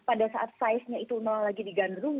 ada baiknya anda jual sehingga anda bisa memperoleh untung